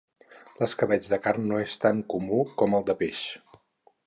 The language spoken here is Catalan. L'escabetx de carn no és tan comú com el de peix